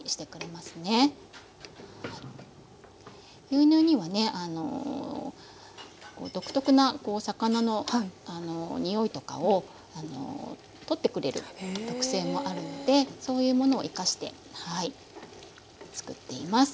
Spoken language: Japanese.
牛乳にはね独特な魚のにおいとかをとってくれる特性もあるのでそういうものを生かして作っています。